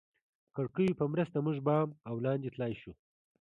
کړکیو په مرسته موږ بام او لاندې تلای شوای.